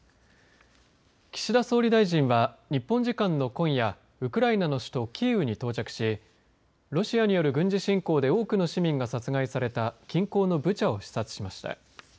岸田総理大臣は日本時間の今夜ウクライナの首都キーウに到着しロシアによる軍事侵攻で多くの市民が殺害された近郊のブチャを視察しました。